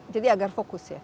jadi agar fokus ya